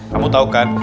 kamu tahu kan